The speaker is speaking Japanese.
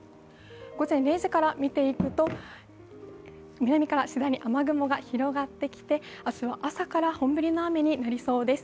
午前０時から見ていくと南から次第に雨雲が広がってきて、明日は朝から本降りの雨になりそうです。